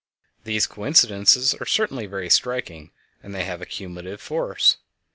These coincidences are certainly very striking, and they have a cumulative force.